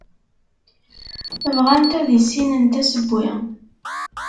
Bɣant ad issinent asewwi.